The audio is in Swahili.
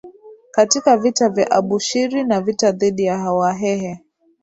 katika vita ya Abushiri na vita dhidi ya Wahehe